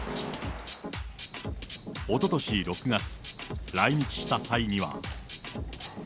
おととし６月、来日した際には。